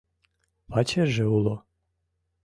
Пачерже уло.